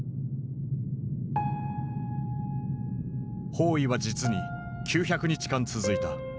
包囲は実に９００日間続いた。